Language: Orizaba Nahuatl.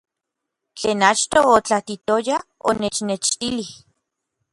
Tlen achtoj otlaatitoya onechnextilij.